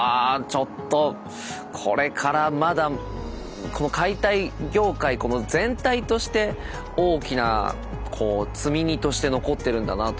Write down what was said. ちょっとこれからまだ解体業界この全体として大きな積み荷として残ってるんだなあというのを感じました。